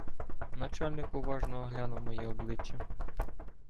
Начальник уважно оглянув моє обличчя.